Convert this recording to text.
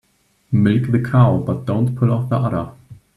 Milk the cow but don't pull off the udder.